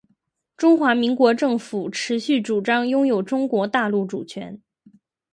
中华民国政府持续主张拥有中国大陆主权